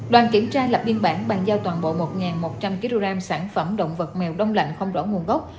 đoàn kiểm tra lập biên bản bàn giao toàn bộ một một trăm linh kg sản phẩm động vật mèo đông lạnh không rõ nguồn gốc